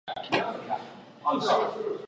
水蜡烛为唇形科水蜡烛属下的一个种。